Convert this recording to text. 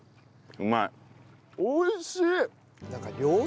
うまいわ。